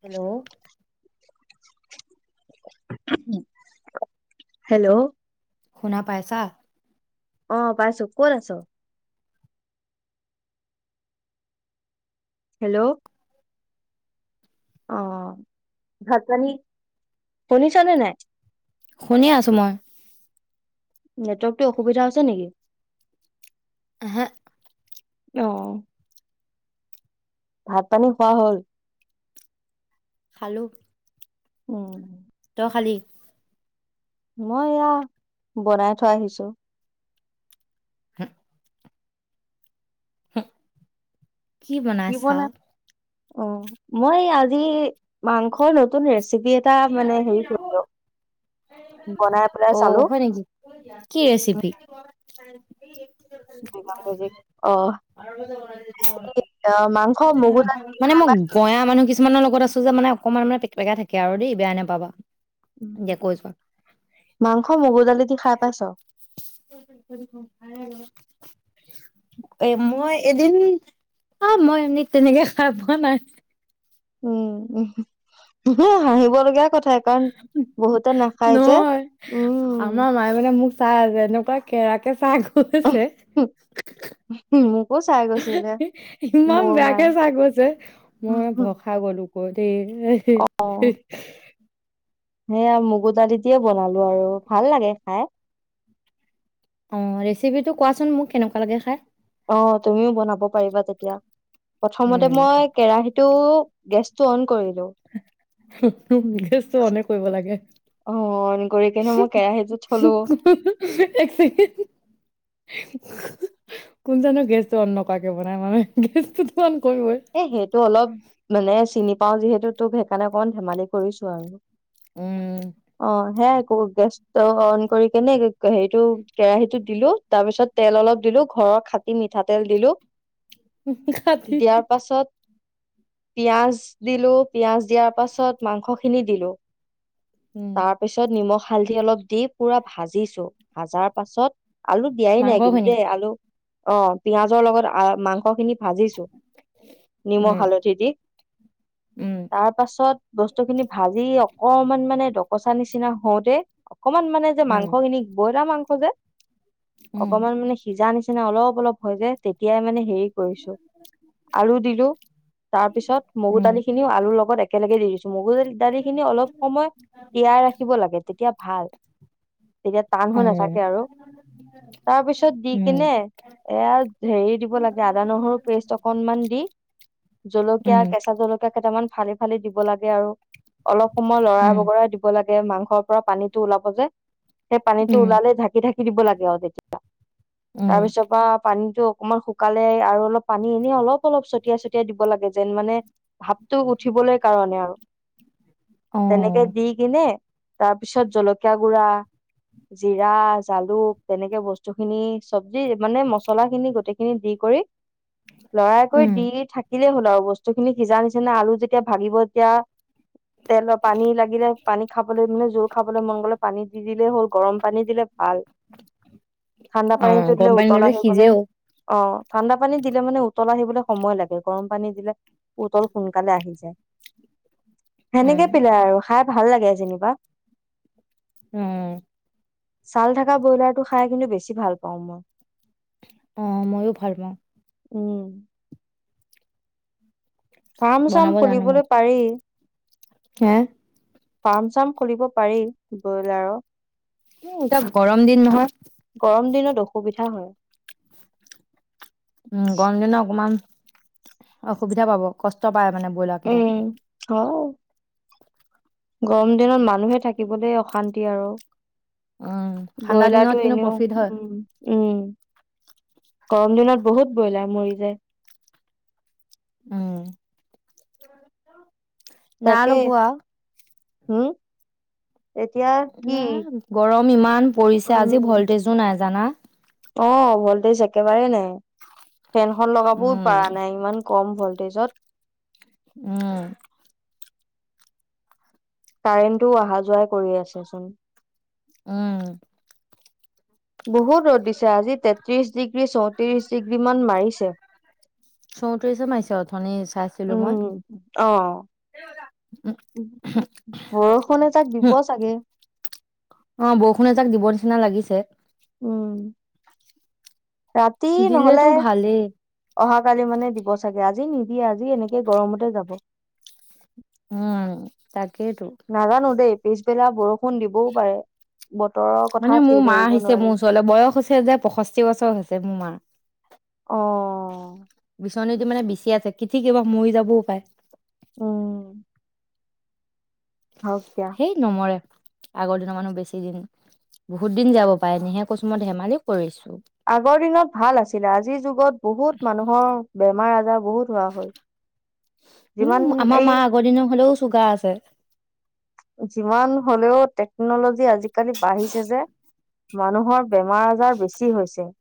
Hello hello শুনা পাইছা? অ', পাইছো ক'ত আছ? হেল্ল', অহ, ভাত পানী শুনিছ নে নাই? শুনি আছো মই। নেটৱৰ্কটো অসুবিধা হৈছে নেকি? [unintelligible] অহ ভাত পানী খোৱা হ'ল? খালো। উম। তই খালি মই এয়া বনাই থৈ আহিছোঁ। [unintelligible] কি বনাইছা? অ', মই এই আজি মাংসৰ নতুন ৰেচি বনাই পেলাই চালো অ', হয়, নেকি? কি ৰেচিপি? মিউজিক [unintelligible] অ' মাংস মগু দালি দি মানে খাই মই পাই গঞা মানুহ কিছু মানৰ লগত আছো যে, মানে অকমান পেকপেকাই থাকে কে আৰু দেই বেয়া নেপাবা। মাংস মগু দালি দি খাই পাইছ? এ, মই এদিন অ', মই এ, তেনেকে খাই পোৱা নাই। উম, হাঁহিব লগীয়া কথা নহয় উম আমাৰ মায়ে মানে মোক চাই আছে এনেক কেৰাকে চাই গ [unintelligible] গৈছিলে ইমান মোৰ মায়ে বেয়াকে চাই গৈছে মই ভয় খাই গ'লো। [unintelligible] [unintelligible] সেইয়া মগু দালি দিয়ে বনালোঁ আৰু ভাল লাগে খায়। অ', ৰেচিপিটো কোৱাচোন মোক কেনেকুৱা লাগে খায়। অ', তুমিও বনাব পাৰিবা তেতিয়া। প্ৰথমতে উম, মই কেৰাহীটো গেছটো অন কৰিলো গেছটো অন এ, কৰিব লাগে অ অন কৰি কিনে মই কেৰাহীটো থলো এক ছেকেণ্ড কোন জানো গেছটো অন নকৰাকে বনাই মানে গেছটোতো অন কৰিবই। এ, সেইটো অলপ মানে চিনি পাওঁ যিহেতু তোক সেইকাৰণে অকণমান ধেমালি কৰিছো আৰু। উম, অ হে ক'ত গেছ ত অন কৰি কেনে হেৰিটো কেৰাহীটো দিলো, তাৰপিছত তেল অলপ দিলো, ঘৰৰ খাটি মিঠাতেল দিলো। কাতি। দিয়াৰ পাছত পিয়াজ দিলো। পিায়জ দিয়াৰ পাছত মাংসখিনি দিলো। উম, তাৰ পিছত নিমখ হালধি অলপ দি পুৰা ভাজিছো ভাজাৰ পাছত আলু দিয়াই নাই কিন্তু মাংসখিনি দেই আলু অ পিয়াজৰ লগত মাংস খিনি ভাজিছো। নিমখ উম, হালধি দি উম, তাৰ পাছত বস্তুখিনি ভাজি অকমান মানে ডকচা নিচিনা হওঁতে অকমান মানে যে উম, মাংস খিনিক বইলা মাংস হো যে। উম, অকমান মানে সিজা নিচিনা নিচিনা অলপ অলপ হৈ যায়, তেতিয়াই মানে হেৰি কৰিছো। আলু দিলো তাৰ পিছত মগু উম, দালি খিনিও আলুৰ লগত একেলগে দি দিছোঁ। মগুজ দালি খিনি অলপ সময় তিয়াই ৰাখিব লাগে তেতিয়া ভাল। তেতিয়া টান অ', হৈ নাথাকে আৰু, তাৰ পিছত দি উম, কিনে এয়া হেৰি দিব লাগে আদা নহৰু পেষ্ট মান দি জলকীয়া উম, কেঁচা জলকীয়া কেইটামান ইমান ফালি ফালি দিব লাগে আৰু অলপ সময় লৰা উম, বগৰা দিব লাগে মাংস ঘৰ পৰা পানীটো ওলাব যে। সেই পানীটো উম, ওলালে ঢাকি ঢাকি। দিব লাগে আৰু তেতিয়া। তাৰ উম, পিছৰ পা পানীতো অকণমান শুকালে আৰু অলপ এনেই অলপ অলপ ছতিয়াই ছতিয়াই দিব লাগে যেন মানে ভাৱটো উঠিবলৈ কাৰণে আৰু। তেনেকে অ', দি কিনে তাৰ পিছত জলকীয়া গুড়া, জিৰা, জালুক তেনেকে বস্তুখিনি চব্জি মানে মছলা খিনি গোটেইখিনি দি কৰি লৰাই কৰি উম, দি থাক। দিলেই হ'ল আৰু বস্তু খিনি সিজা নিচিনা আলু যেতিয়া ভাগিব তেতিয়া তেল পানী লাগিলে পানী খাবলৈ মানে জোল খাবলৈ মনগলে পানী দি দিলেই হ'ল গৰম পানী দিলে ভাল ঠাণ্ডা পানী অ', তো দিলে গৰম পানী উতল আহি গলে সিজেও অ খ গৰম পানী দিলে মানে উতলাই থাকিবলৈ সময় লাগে গৰম পানী দিলে উতল সোনকালে আহি যায় সেনেকে উম, পিলে আৰু খাই ভাল লাগে যেনিবা উম ছাল থকা ব্ৰইলাৰটো খাই কিন্তু বেছি ভাল পাওঁ মই অ মই ও ভাল পাওঁ উম ফাৰ্ম বনাব চাৰ্ম জানো মই খুলিবলৈ পাৰি হে ফাৰ্ম চাৰ্ম খুলিব পাৰি ব্ৰইলাৰৰ উ এটা গৰম দিন নহয় গৰম দিনত অসুবিধা হয় উম গৰম দ অকমান অসুবিধা পাব কষ্ট প মানে বইলাৰ কিতা উম হয় গৰম দিনত মানুহে থাকিবলৈ অশান্তি আৰু উম, ঠাণ্ডা দিনত ব্ৰইলাৰটো কিন্তু এনেও প্ৰফিট হয়, উম উম গৰম দিনত বহুত ব্ৰইলাৰ মৰি যায় উম না তাকে লগোৱা হম এতিয়া কি ইমান গৰম ইমান পৰিছে আজি উম ভল্টেজো নাই জানা অ ভল্টেজ একেবাৰেেই নাই ফেনখন লগাবও উম, পাৰা নাই ইমান কম ভল্টেজত উম কাৰেণ্টটো অহা যোৱাই কৰি আছে চোন উম বহুত ৰ'দ দিছে আজি তেত্ৰিশ ডিগ্ৰী চৌত্ৰিশ ডিগ্ৰী মান মাৰিছে চৌতৰিছে মাৰিছে অথনি চাইছিলো মই উম অ উ বৰষুণ এজাক দিব চাগে অ বৰষুণে এযাক দিব নিচিনা লাগিছে উম ৰাতি দিলেতো নহলে ভালেই, অহা কালি মানে দিব চাগে আজি নিদিয়ে আজি এনেকে গৰমতে যাব উম তাক নাজানো দেই পিছবেলা বৰষুণ দিবও পাৰে বতৰৰ কথা মানে মোৰ ঠিক মা ধৰিব আহিছে নোৱাৰি মোৰ ওচৰলৈ বয়স হৈছে যে পষষ্ঠি বছৰ হৈছে মোৰ মা অ মানে বিচি আছে কিঠিক বা মৰি যাবও পায় উম হওক দিয়া সেই নমৰে আগৰ দিনৰ মানুহ বেছি দিন বহুত দিন যাব পাৰে নিহে কৈচু মই ধেমালিও কৰিছোঁ আগৰ দিনত ভাল আছিলে আজিৰ যুগত বহুত মানুহৰ মাৰ আজাৰ বহুত হোৱা হ'ল। যিমান উম আমাৰ এই মা আগৰ দিনৰ হলেও চুগাৰ আছে যিমান হ'লেও টেকনলজি আজিকালি বাঢ়িছে যে মানুহৰ বেমাৰ আজ বেছি হৈছে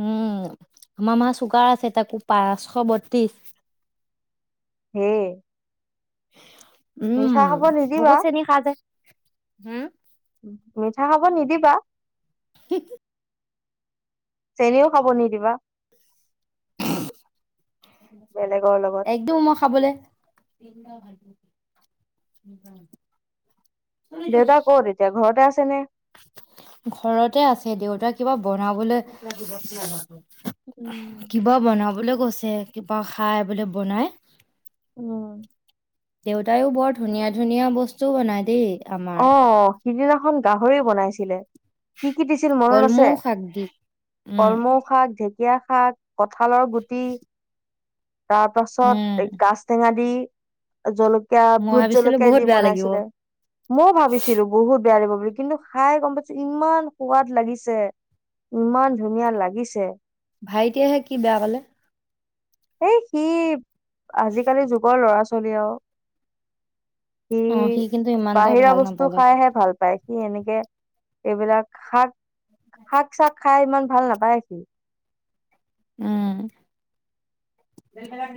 উম আমাৰ মা চুগাৰ আছে তাকো পাঁচশ বত্ৰিশ হে [inaudible] স [unintelligible] মিঠা খাব নিদিবা হম, মিঠা খাব নিদিবা [unintelligible] চেনিও খাব নিদিবা [unintelligible] বেলেগৰ লগত একদম মই খাবলে ভ [inaudible] দেউতা কত এতিয়া ঘৰতে আছ ছেনে ঘৰতে আছে দেউতাক কিবা বনাবলৈ [unintelligible] কিবা বনাবলৈ কৈছে কিবা খাই বোলে বনাই উম দেউতায়ও বৰ ধুনীয়া ধুনীয়া বস্তু বনাই দেই আমাৰ। অ সিদিনা খন গাহৰি বনাইছিলে কি কি দিছিল মনত আছে কলমৌ শাক দি। উম, কলমৌশাক ঢেঁক ঢেকীয়া শাক ক কঁঠালৰ গুটি তাৰ উম, পাছত এ গাছটেঙা দি [unintelligible] জলকীয়া মই ভোট ভাবিছিলো জলকীয়া বহুত দি বেয়া লাগিব। বনাইছিলে। মই ভাবিছিলো বহুত বেয়া। বুলি কিন্তু খাই গম পাইছো ইমান সোৱাদ লাগিছে ইমান ধুনীয়া লাগিছে। ভাইটিয়াহে কি বেয়া পালে। এই সি আজিকালি যুগৰ ল'ৰা ছোৱালী আৰু সি অ, কিন্তু ইমান এটা বাহিৰা ভাল বস্তু নাপালে। খাইহে ভাল পায় সি এনেকে এইবিলাক শাক শাক চাক খাই ইমান। ভাল নাপায় সি উম।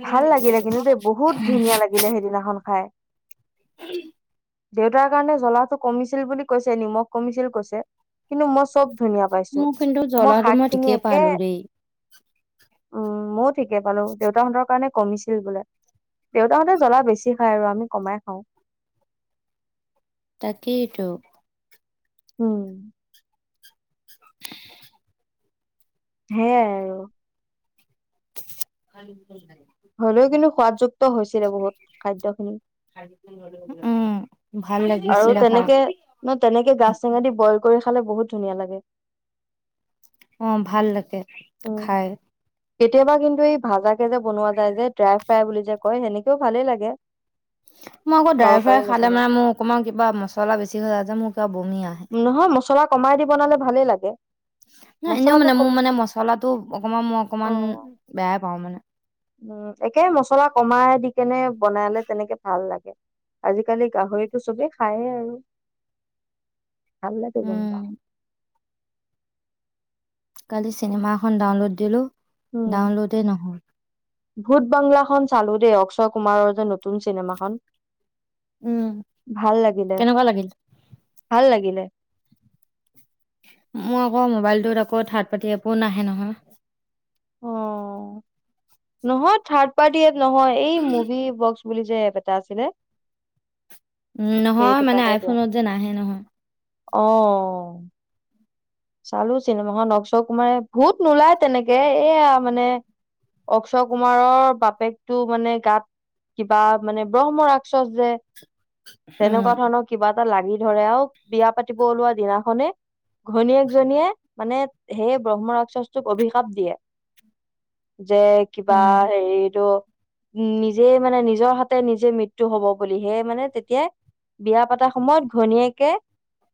ভাল লাগিলে কিন্তু দেই বহুত ধুনীয়া লাগিলে সেইদিনাখন খাই উম। দেউতাৰ কাৰণে জ্বলাটো কমিছিল বুলি কৈছে নিমখ কমিছিল কৈছে কিন্তু মই চব ধুনীয়া পাইছো মোৰ কিন্তু জ্বলাটো শাক মই খিনি ঠিকেই একে পালো দেই উম মই। থিকেই পালো দেউতাহঁতক কমিছিল বোলে দেউতাহঁতে জ্বলা বেছি খায় আৰু আমি কমাই খাওঁ তাকেইটো। হম। অ। সে আৰু [unintelligible] হলেও কিন্তু সোৱাদযুক্ত হৈছিলে বহুত খাদ্য খিনি উম। ভাল আৰু লাগিছিলে খাই তেনেকে ন তেনেকে গাছ টেঙা দি বইল কৰি খালে বহুত ধুনীয়া লাগে। অ ভাল লাগে। উম খাই কেতিয়াবা কিন্তু এই ভাজাকে যে বনোৱা যায় যে ড্ৰাই ফ্ৰাই বুলি যে কয় সেনেকেও ভালেই লাগে। মই আকৌ ড্ৰাই তৰকাৰী ফ্ৰাই খালে নবনাই মানে মোৰ অকমান কিবা মছলা বেছি হৈ যায় যে মোৰ কিবা বমি আ নহয় মছলা কমাই দি বনালে ভালেই লাগে ন এনেও মচলাটো মানে কম মোৰ মানে মচলাটো অকমান মই অ অকমান বেয়াই পাওঁ মানে উম একে মছলা কমাই দি কেনে বনালে তেনেকে ভাল লাগে আজিকালি গাহৰিটো চবেই খায়েই আৰু ভাল লাগে‌ উম যেনিবা। কালি চিনেমা এখন ডাউনলোড দিলোঁ উম। ডাউনলোডেই নহয়। ভূত বাংলাখন চালোঁ দেই অক্ষয় কুমাৰৰ যে নতুন চিনেমাখন। উম ভাল লাগিলে কেনেকুৱা লাগিল ভাল লাগিল। শুনিবলে। মোৰ আকৌ মোবাইলটোত আকৌ থাৰ্ড পাৰ্টি এপো নাহে নহয়। অ নহয় থাৰ্ড পাৰ্টি এপ নহয় এই মুভি বক্স বুলি যে এপ এটা আছিলে। উম নহয় সেইটো মানে পাহে দিয়া। আইফোনত যে নাহে নহয়। অ চালো চিনেমাখন অক্ষয় কুমাৰে ভূত নোলায় তেনেকে এয়া মানে অক্ষয় কুমাৰৰ বাপেকটো মানে গাত কিবা মানে ব্ৰহ্ম ৰাক্ষস যে উম তেনেকুৱা ধৰণৰ কিবা এ লাগি ধৰে আৰু বিয়া পাতিব ওলোৱা দিনাখনে ঘনীয়েক জনীয়ে মানে সেই ব্ৰহ্ম ৰাক্ষসটোক অভিশাপ দিয়ে। যে কিবা উম হেৰিতটো। নিজে মানে নিজৰ হাতে নিজে মৃত্যু হব বুলিহেয় মানে তেতিয়া বিয়া পাতা সময়ত ঘনীয়েকে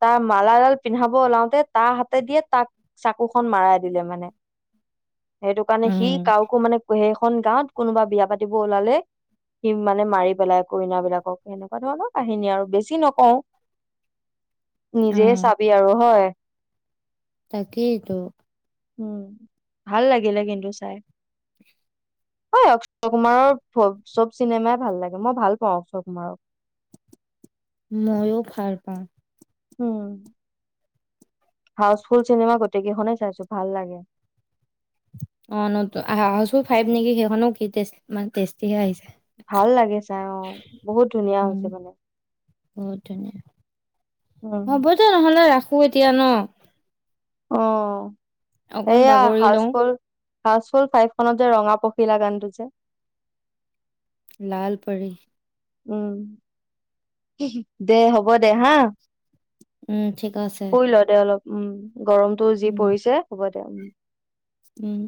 তাৰ মালাডাল পিন্ধাব ওলাওতে তাহ হাতে দিয়ে তাক চাকুখন মৰাই দিলে মানে। সেইটো কাৰণে সি উম ককো মানে সেই এখন গাঁৱত কোনোবা বিয়া পাতিব ওলালে সি মানে মাৰি পেলাই কোনোবাদিনাখন সেনেকুৱা ধৰণৰ কাহিনী আৰু বেছি নকও নিজে চাবি আৰু হয় তাকেইটো। উম ভাল লাগিলে কিন্তু চাই হয় অক্ষয় কুমাৰৰ চব চিনেমাই ভাল লাগে মই ভাল পাওঁ অক্ষয় কুমাৰক ময়ো ভাল পাওঁ। হম। হাউচফুল চিনেমা গোটেইকেইখনে চাইছো ভাল লাগে। অ ন হাউজ ফল ফাইভ নেকি সেইখনো কি মানে টেষ্টিহে আহিছে। ভাল লাগে চাই আহ বহুত ধুনীয়া উম হৈছে মানে বহুত ধুনীয়া উম। দে নহ'লে হব ৰাখো এতিয়া ন। অহ অকন এয়া বাগৰি হাউছ লওঁ ফোল। ফাৰ্চ হ'ল ফাইভ খনত যে ৰঙা পখিলা গানটো যে লাল পৰী। উম দে হ'ব দে হা উম ঠিক আছে। শুই ল দে অলপ উম। গৰমতটো যি উম পৰিছে হ'ব। উম উম।